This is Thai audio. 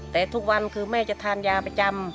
แต่ทุกวันคือแม่จะทานยาประจำ